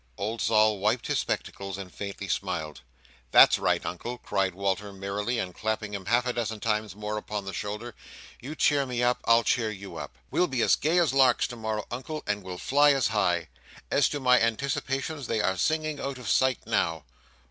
Old Sol wiped his spectacles, and faintly smiled. "That's right, Uncle!" cried Walter, merrily, and clapping him half a dozen times more upon the shoulder. "You cheer up me! I'll cheer up you! We'll be as gay as larks to morrow morning, Uncle, and we'll fly as high! As to my anticipations, they are singing out of sight now."